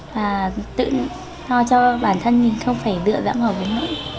và tự do cho bản thân mình không phải lựa vãng hợp với mọi người